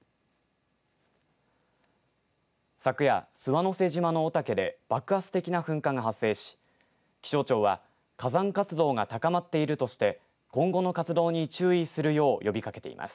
昨夜、諏訪之瀬島の御岳で爆発的な噴火が発生し気象庁は火山活動が高まっているとして今後の活動に注意するよう呼びかけています。